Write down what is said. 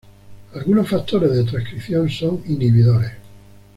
Algunos factores de transcripción son inhibidores.